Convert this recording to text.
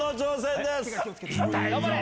頑張れ！